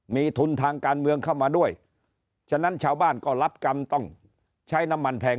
มีทุนทางการเมืองเข้ามาด้วยฉะนั้นชาวบ้านก็รับกรรมต้องใช้น้ำมันแพง